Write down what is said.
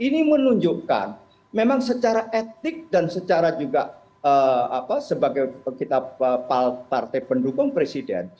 ini menunjukkan memang secara etik dan secara juga sebagai kita partai pendukung presiden